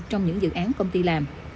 trong những dự án công ty làm